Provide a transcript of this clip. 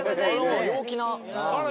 陽気な。